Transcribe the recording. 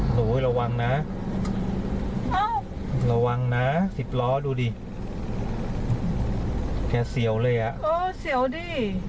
โหระวังนะระวังนะสิบล้อดูดิแกเสียวเลยอ่ะเออเสียวดิ